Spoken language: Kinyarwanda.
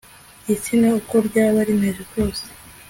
gitsina uko ryaba rimeze kose